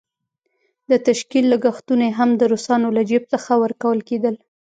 د تشکيل لګښتونه یې هم د روسانو له جېب څخه ورکول کېدل.